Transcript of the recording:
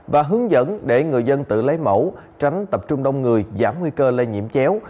và hướng dẫn để người dân tự lấy mẫu tránh tập trung đông người giảm nguy cơ lây nhiễm chéo